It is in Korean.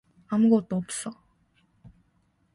아무것도 없어.